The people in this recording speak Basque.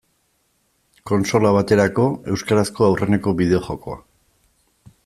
Kontsola baterako euskarazko aurreneko bideo-jokoa.